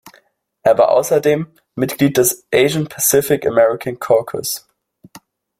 Er war außerdem Mitglied des Asian Pacific American Caucus.